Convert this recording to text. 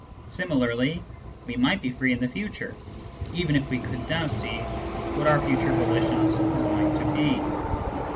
Similarly, we might be free in the future, even if we could now sec what our future volitions were going to be.